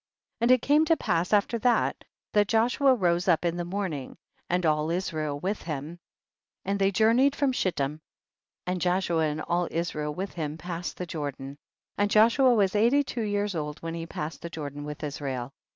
9. And it came to pass after that, that Joshua rose up in the morning and all Israel with him, and they 17 journeyed from Shittim. and Joshua and all Israel with him passed the Jordan ; and Joshua was eighty two years old when he passed the Jordan with Israel.